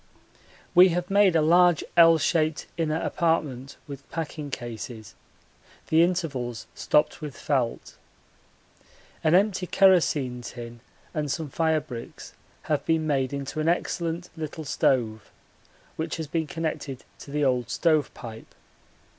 We have made a large L shaped inner apartment with packing cases, the intervals stopped with felt. An empty kerosene tin and some firebricks have been made into an excellent little stove, which has been connected to the old stove pipe.